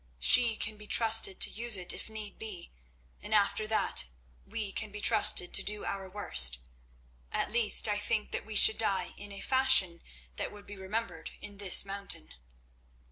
"She can be trusted to use it if need be, and after that we can be trusted to do our worst. At least, I think that we should die in a fashion that would be remembered in this mountain."